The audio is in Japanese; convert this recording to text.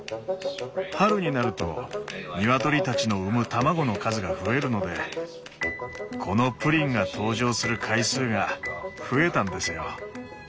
春になるとニワトリたちの産む卵の数が増えるのでこのプリンが登場する回数が増えたんですよ。